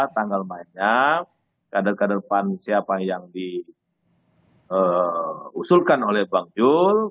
tanggal mainnya kader kader pan siapa yang diusulkan oleh bang jul